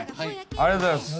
ありがとうございます。